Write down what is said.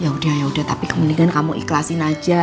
yaudah yaudah tapi kemendingan kamu ikhlasin aja